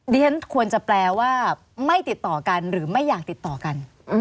ฉันควรจะแปลว่าไม่ติดต่อกันหรือไม่อยากติดต่อกัน